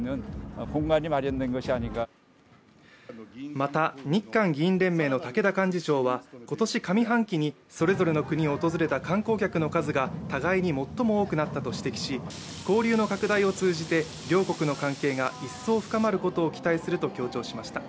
また、日韓議員連盟の武田幹事長は、今年上半期にそれぞれの国を訪れた観光客の数が互いに最も多くなったと指摘し交流の拡大を通じて両国の関係が一層深まることを期待すると強調しました。